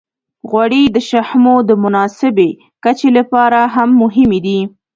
غوړې د شحمو د مناسبې کچې لپاره هم مهمې دي.